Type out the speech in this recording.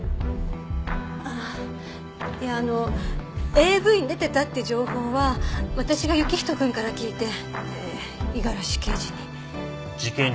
ああいやあのＡＶに出てたって情報は私が行人くんから聞いてで五十嵐刑事に。